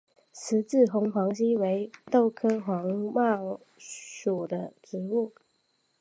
十字形黄耆为豆科黄芪属的植物。